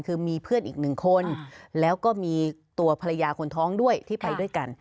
คือมีเพื่อนอีกหนึ่งคนแล้วก็มีตัวภรรยาคนท้องด้วยที่ไปด้วยกัน